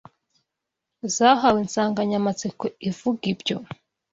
zahawe insanganyamatsiko ivuga ibyo